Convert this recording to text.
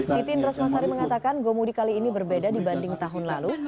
nitin rosmasari mengatakan gomudik kali ini berbeda dibanding tahun lalu